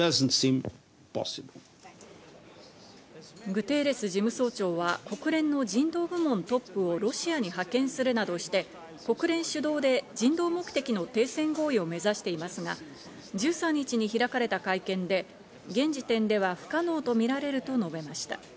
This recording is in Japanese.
グテーレス事務総長は国連の人道部門トップをロシアに派遣するなどして国連主導で人道目的の停戦合意を目指していますが、１３日に開かれた会見で、現時点では不可能とみられると述べました。